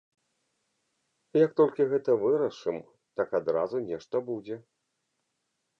Як толькі гэта вырашым, так адразу нешта будзе.